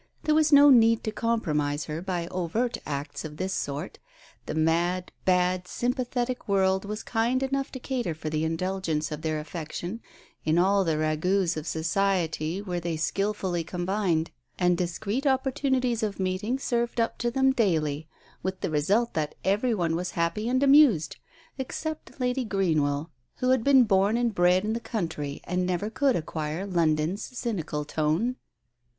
There was no need to compromise her by overt acts of this sort. The mad, bad, sympathetic world was kind enough to cater for the indulgence of their affection; in all the rag6uts of society were they skilfully combined, and discreet opportunities of meeting Digitized by Google 80 TALES OF THE UNEASY served up to them daily, with the result that every one was happy and amused, except Lady Greenwell, who had been born and bred in the country and never could acquire London's cynical tone.